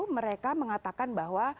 mereka mengatakan bahwa